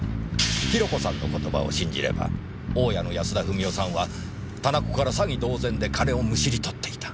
ヒロコさんの言葉を信じれば大家の安田富美代さんは店子から詐欺同然で金をむしり取っていた。